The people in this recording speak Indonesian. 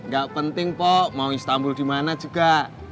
gak penting po mau istanbul di mana juga